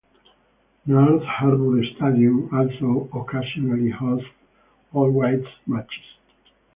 North Harbour Stadium also occasionally hosts All Whites matches.